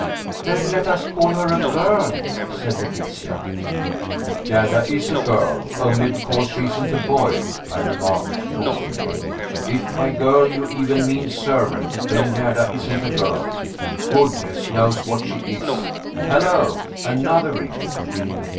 "Then let us call her a 'girl,'" said Letitia. "Gerda is a girl, only because she isn't a boy," I remarked tauntingly. "If by 'girl' you even mean servant, then Gerda isn't a girl. Goodness knows what she is. Hello! Another ring!"